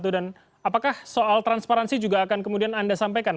dan apakah soal transparansi juga akan kemudian anda sampaikan